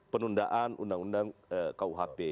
penundaan undang undang kuhp